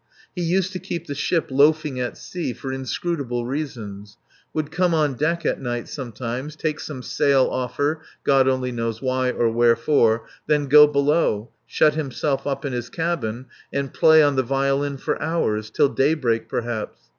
He used to keep the ship loafing at sea for inscrutable reasons. Would come on deck at night sometimes, take some sail off her, God only knows why or wherefore, then go below, shut himself up in his cabin, and play on the violin for hours till daybreak perhaps.